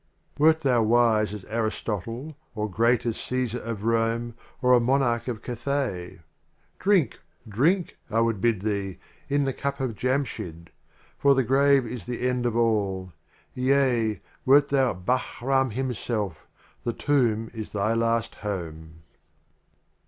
Wert thou wise as Aristotle, or great as Caesar of Rome or a Monarch of Cathay, "Drink, drink !" I would bid thee, "in the Cup of Jamshyd." For the Grave is the End of All. Yea, wert thou Bahram himself, the Tomb is thy Last Home.